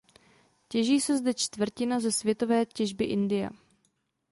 Těží se zde čtvrtina ze světové těžby india.